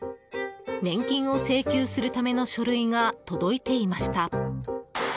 年金を請求するための書類が届いていました。